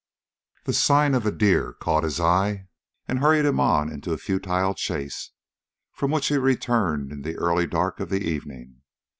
The sign of a deer caught his eye and hurried him on into a futile chase, from which he returned in the early dark of the evening.